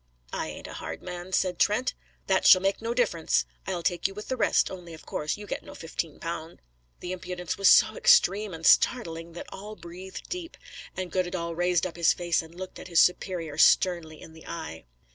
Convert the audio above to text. "I ain't a hard man," said Trent. "That shall make no difference. I'll take you with the rest, only of course you get no fifteen pound." The impudence was so extreme and startling, that all breathed deep, and Goddedaal raised up his face and looked his superior sternly in the eye.